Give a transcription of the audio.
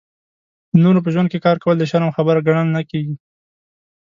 د نورو په ژوند کې کار کول د شرم خبره ګڼل نه کېږي.